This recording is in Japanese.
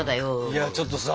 いやちょっとさ